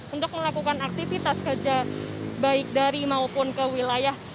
untuk melakukan aktivitas kerja baik dari maupun ke wilayah